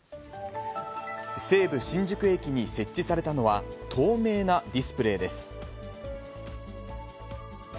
西武新宿駅に設置されたのは、透明なディスプレーです。